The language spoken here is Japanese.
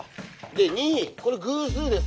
で２これ偶数です。